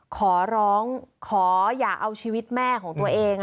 ขอร้องขออย่าเอาชีวิตแม่ของตัวเอง